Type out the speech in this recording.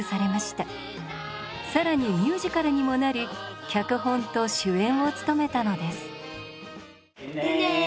更にミュージカルにもなり脚本と主演を務めたのです。